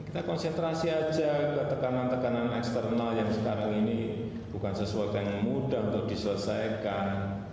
kita konsentrasi aja ke tekanan tekanan eksternal yang sekarang ini bukan sesuatu yang mudah untuk diselesaikan